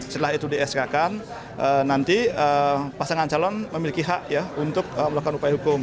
setelah itu di eskakan nanti pasangan calon memiliki hak untuk melakukan upaya hukum